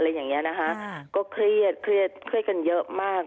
อย่างเงี้ยนะคะก็เครียดเครียดเครียดกันเยอะมาก